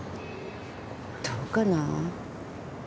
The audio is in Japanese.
どうかなあ。